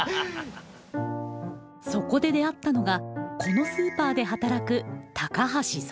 そこで出会ったのがこのスーパーで働く高橋羽。